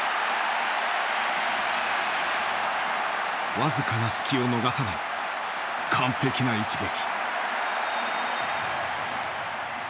わずかな隙を逃さない完璧な一撃。